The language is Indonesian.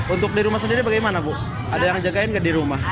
untuk di rumah sendiri bagaimana ibu ada yang menjaga di rumah